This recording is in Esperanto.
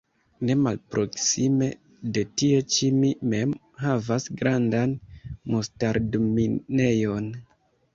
Ne malproksime de tie ĉi mi mem havas grandan mustardminejon.